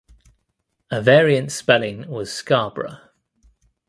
A variant spelling was "Scarborough".